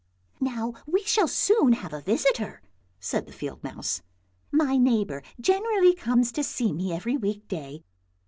"Now we shall soon have a visitor," said the field mouse; " my neighbour generally comes to see me every week day.